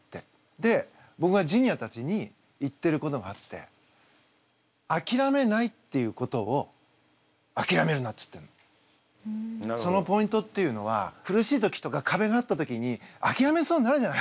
で僕がジュニアたちに言ってることがあってそのポイントっていうのは苦しい時とか壁があった時にあきらめそうになるじゃない。